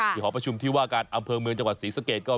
หอประชุมที่ว่าการอำเภอเมืองจังหวัดศรีสะเกดก็